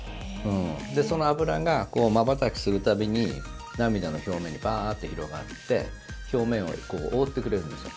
で、その油がこう、まばたきする度に涙の表面にバーッて広がって表面を覆ってくれるんですよ。